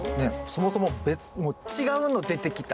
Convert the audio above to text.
そもそも違うの出てきた。